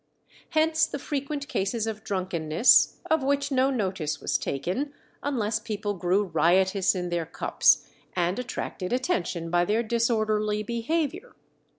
Hence the frequent cases of drunkenness, of which no notice was taken, unless people grew riotous in their cups, and attracted attention by their disorderly behaviour.